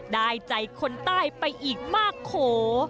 ได้ใจคนใต้ไปอีกมากโข